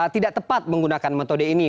tidak tepat menggunakan metode ini